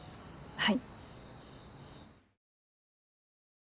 はい。